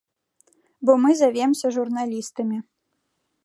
Бо мы завемся журналістамі.